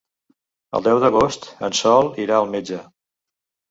El deu d'agost en Sol irà al metge.